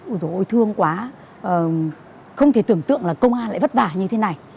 ôi dồi ôi thương quá không thể tưởng tượng là công an lại vất vả như thế này